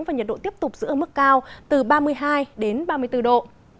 và nhiệt độ tiếp tục giữa mức cao từ ba mươi hai ba mươi bốn độ